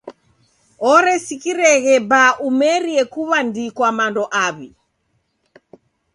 Oresikireghe baa umeria kuw'andikwa mando aw'i.